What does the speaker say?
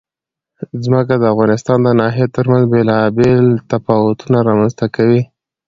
ځمکه د افغانستان د ناحیو ترمنځ بېلابېل تفاوتونه رامنځ ته کوي.